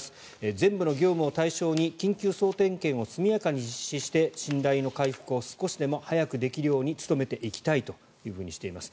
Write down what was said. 全部の業務を対象に緊急総点検を速やかに実施して信頼の回復を少しでも早くできるように努めていきたいとしています。